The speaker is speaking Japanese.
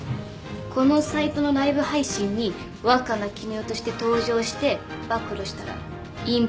このサイトのライブ配信に若菜絹代として登場して暴露したらインパクトあると思うんですよ。